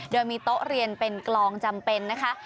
โดยมีโต๊ะเรียนเป็นกลองจำเป็นนะคะ